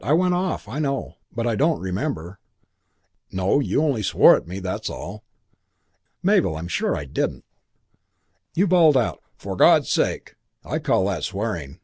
I went off, I know; but I don't remember " "No, you only swore at me; that's all." "Mabel, I'm sure I didn't." "You bawled out, 'For God's sake.' I call that swearing.